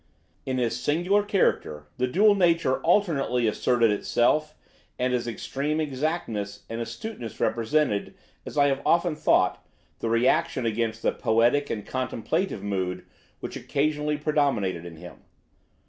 In his singular character the dual nature alternately asserted itself, and his extreme exactness and astuteness represented, as I have often thought, the reaction against the poetic and contemplative mood which occasionally predominated in him.